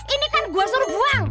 ini kan gua suruh buang